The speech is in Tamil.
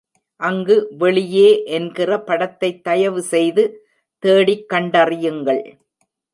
அங்கு வெளியே என்கிற படத்தைத் தயவுசெய்து தேடிக் கண்டறியுங்கள்.